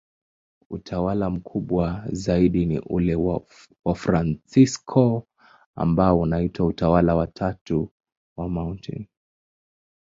Utawa mkubwa zaidi ni ule wa Wafransisko, ambao unaitwa Utawa wa Tatu wa Mt.